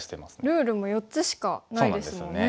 ルールも４つしかないですもんね。